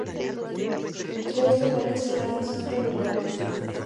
Tres lugares clave son revelados.